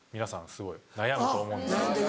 すごい悩むと思うんです。